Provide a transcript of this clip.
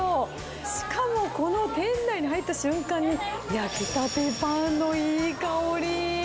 しかもこの店内に入った瞬間に、焼きたてパンのいい香り。